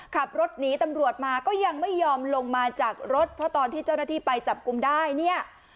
ขับรถหนีตำรวจมาก็ยังไม่ยอมลงมาจากรถเพราะตอนที่เจ้าหน้าที่ไปจับกลุ่มได้เนี่ย